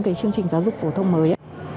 cái chương trình giáo dục phổ thông mới